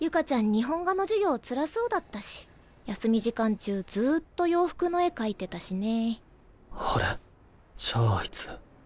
日本画の授業つらそうだったし休み時間中ずっと洋服の絵描いてたしね。